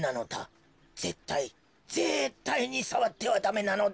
ぜったいぜったいにさわってはダメなのだ。